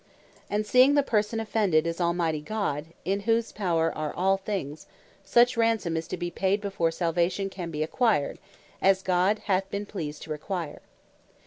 And seeing the person offended, is Almighty God, in whose power are all things; such Ransome is to be paid before Salvation can be acquired, as God hath been pleased to require.